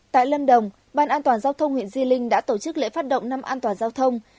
tại lâm đồng ban an toàn giao thông huyện di linh đã tổ chức lễ phát động năm an toàn giao thông